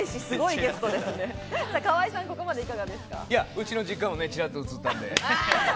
うちの実家も、ちらっと映ったんで。